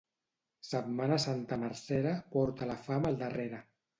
Setmana Santa marcera porta la fam al darrere.